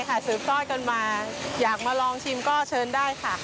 สืบทอดกันมาอยากมาลองชิมก็เชิญได้ค่ะ